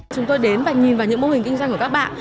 chúng tôi đến và nhìn vào những mô hình kinh doanh của các bạn